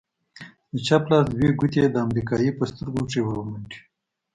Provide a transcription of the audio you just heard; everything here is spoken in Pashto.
د چپ لاس دوې گوتې يې د امريکايي په سترگو کښې ورومنډې.